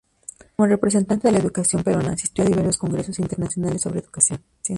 Como representante de la educación peruana asistió a diversos congresos internacionales sobre educación.